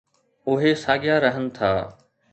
اهي ساڳيا رهن ٿا.